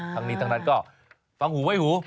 ทั้งนี้ทั้งนั้นก็ฟังหูไว้หู